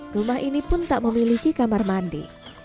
rumah ini pun tak memiliki kamar mandi